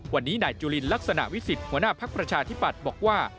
วันนี้นายจุลินลักษณะวิสิทธิ์หัวหน้าภักดิ์ประชาธิปัตย์บอกว่า